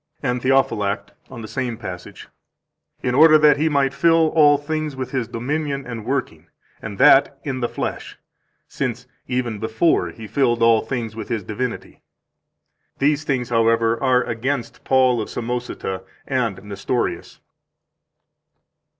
173 And THEOPHYLACT, on the same passage (Comment. in Eph., p. 535, ed. Lond., 1636): "In order that He might fill all things with His dominion and working, and that, in the flesh, since even before He filled all things with His divinity. These things, however, are against Paul of Samosata and Nestorius."